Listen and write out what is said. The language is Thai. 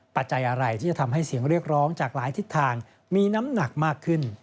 ปัจจัยอะไรที่จะทำให้เสียงเรียกร้องจากหลายทิศทางมีน้ำหนักมากขึ้น